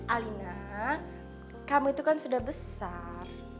alina kamu itu kan sudah besar